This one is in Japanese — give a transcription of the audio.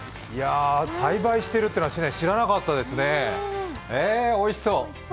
栽培しているっていうのは知らなかったですね、おいしそ。